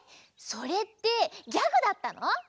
それってギャグだったの？